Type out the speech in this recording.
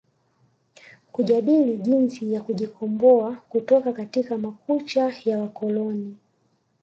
Kujadili jinsi ya kujikomboa kutoka katika makucha ya wakoloni